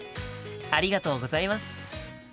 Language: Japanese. ありがとうございます。